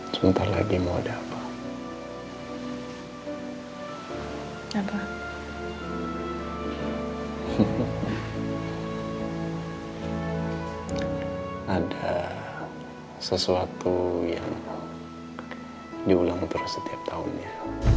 sampai jumpa di video selanjutnya